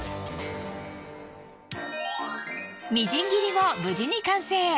みじん切りも無事に完成。